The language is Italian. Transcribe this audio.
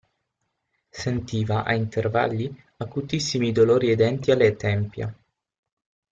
Sentiva, a intervalli, acutissimi dolori ai denti e alle tempia.